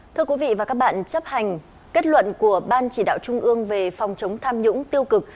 thưa quý vị và các bạn chấp hành kết luận của ban chỉ đạo trung ương về phòng chống tham nhũng tiêu cực